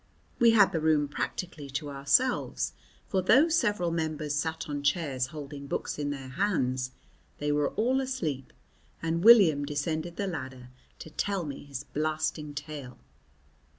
We had the room practically to ourselves, for though several members sat on chairs holding books in their hands they were all asleep, and William descended the ladder to tell me his blasting tale.